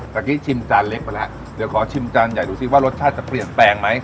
เมื่อกี้ชิมจานเล็กไปแล้วเดี๋ยวขอชิมจานใหญ่ดูซิว่ารสชาติจะเปลี่ยนแปลงไหม